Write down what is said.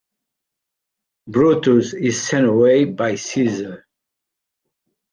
Brutus is sent away by Caesar.